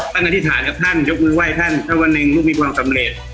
อธิษฐานกับท่านยกมือไหว้ท่านถ้าวันหนึ่งลูกมีความสำเร็จ